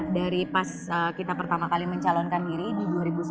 dari pas kita pertama kali mencalonkan diri di dua ribu sembilan belas